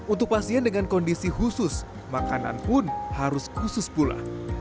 untuk pasien dengan kondisi khusus makanan pun harus khusus pula